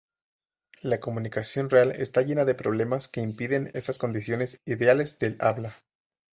La comunicación real está llena de problemas que impiden estas condiciones ideales del habla.